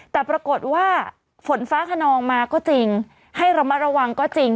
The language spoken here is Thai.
แต่ปรากฏว่าฝนฟ้าขนองมาก็จริงให้ระมัดระวังก็จริง